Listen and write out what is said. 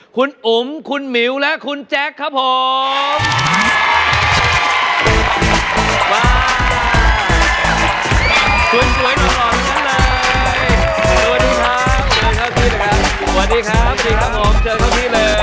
คุณอุ๋มคุณหมิวและคุณแจ๊คครับผม